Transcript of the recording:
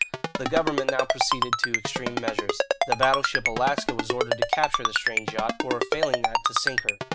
The government now proceeded to extreme measures. The battleship Alaska was ordered to capture the strange yacht, or, failing that, to sink her.